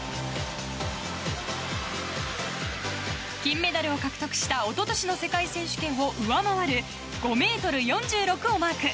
金メダルを獲得したおととしの世界選手権を上回る５ｍ４６をマーク。